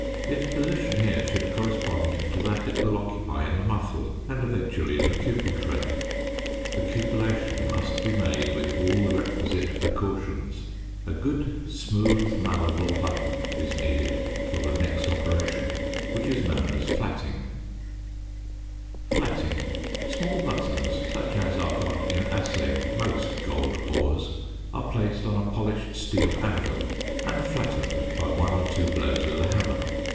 Its position here should correspond to that it will occupy in the muffle and eventually in the cupel tray. The cupellation must be made with all the requisite precautions. A good smooth malleable button is needed for the next operation, which is known as flatting. [Illustration: FIG. 45.] ~Flatting.~ Small buttons, such as are got in assaying most gold ores, are placed on a polished steel anvil and flattened by one or two blows with a hammer.